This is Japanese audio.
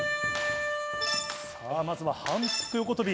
まずは反復横跳び。